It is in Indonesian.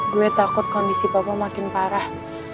gue takut kondisi papa makin parah